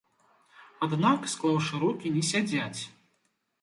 Аднак, склаўшы рукі не сядзяць.